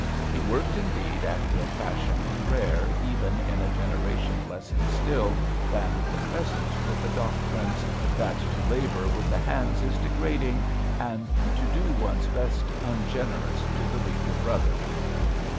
He worked indeed after a i^shion rare even in a generation less instilled than the present with the doctrines — "that to labour with the hands is degrading, and to do one's best ungenerous to the weaker brother."